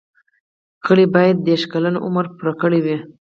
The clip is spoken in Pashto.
غړي باید دیرش کلن عمر پوره کړی وي.